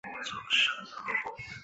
四带枣螺为枣螺科枣螺属的动物。